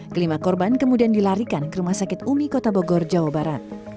kelima korban kemudian dilarikan ke rumah sakit umi kota bogor jawa barat